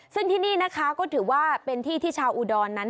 ซึ่งที่นี่นะคะก็ถือว่าเป็นที่ที่ชาวอุดรนั้น